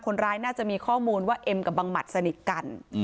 คนร้ายน่าจะมีข้อมูลว่าเอ็มกับบังหมัดสนิทกัน